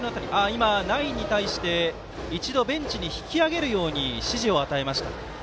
今、ナインに対して一度ベンチに引き揚げるよう指示を与えました。